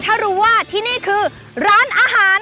ถ้ารู้ว่าที่นี่คือร้านอาหาร